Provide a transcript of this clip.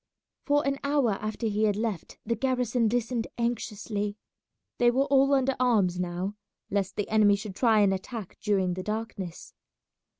For an hour after he had left the garrison listened anxiously. They were all under arms now, lest the enemy should try and attack during the darkness.